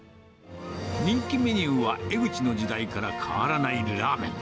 人気メニューは、江ぐちの時代から変わらないラーメン。